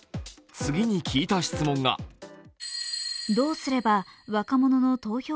次に聞いた質問がやぁー！！